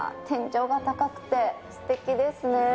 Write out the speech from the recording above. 天井が高くてすてきですね。